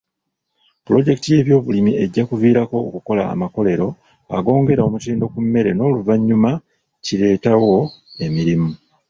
Pulojekiti y'ebyobulimi ejja kiviirako okukola amakolero ag'ongera omutindo ku mmere n'oluvannyuma kireetawo emirimu.